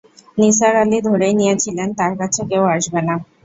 নিসার আলি ধরেই নিয়েছিলেন তাঁর কাছে কেউ আসবে না।